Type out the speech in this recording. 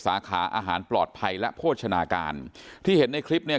สาขาอาหารปลอดภัยและโภชนาการที่เห็นในคลิปเนี่ย